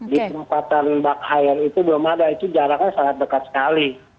di tempatan bak hire itu belum ada itu jaraknya sangat dekat sekali